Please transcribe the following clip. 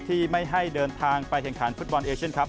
ที่ไม่ให้เดินทางไปแข่งขันฟุตบอลเอเชียนครับ